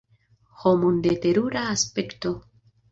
Homon de terura aspekto!